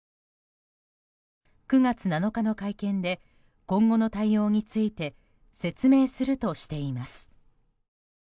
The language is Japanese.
９月７日の会見で今後の対応について説明するとしています。